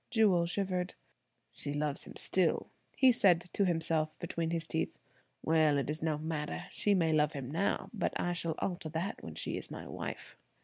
Jewel shivered. "She loves him still," he said to himself between his teeth. "Well, it is no matter; she may love him now, but I shall alter that when she is my wife."